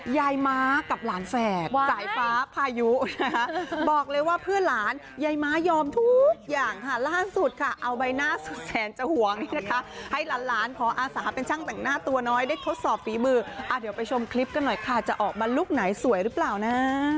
ยายม้ากับหลานแฝดสายฟ้าพายุนะคะบอกเลยว่าเพื่อนหลานยายม้ายอมทุกอย่างค่ะล่าสุดค่ะเอาใบหน้าสุดแสนจะห่วงนี่นะคะให้หลานขออาสาเป็นช่างแต่งหน้าตัวน้อยได้ทดสอบฝีมือเดี๋ยวไปชมคลิปกันหน่อยค่ะจะออกมาลุคไหนสวยหรือเปล่านะ